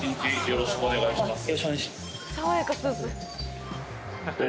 よろしくお願いします